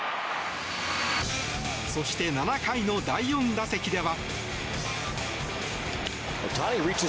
そして、７回の第４打席では。